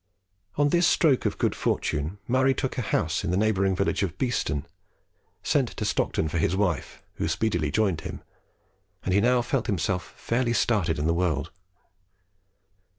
On this stroke of good fortune Murray took a house at the neighbouring village of Beeston, sent to Stockton for his wife, who speedily joined him, and he now felt himself fairly started in the world.